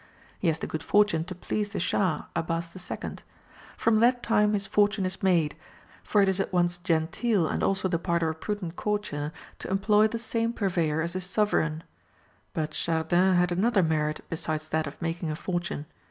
He has the good fortune to please the Shah, Abbas II. From that time his fortune is made, for it is at once genteel and also the part of a prudent courtier to employ the same purveyor as his sovereign. But Chardin had another merit besides that of making a fortune.